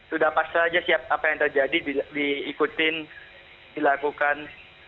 sudah pas saja siap apa yang terjadi diikutin dilakukan